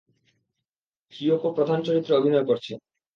Chiyoko প্রধান চরিত্রে অভিনয় করছে।